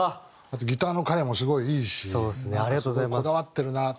あとギターの彼もすごいいいしすごいこだわってるな。